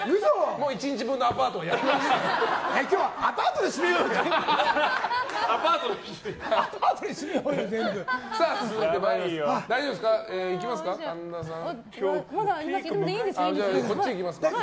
もう１日分のアパートやりましたから。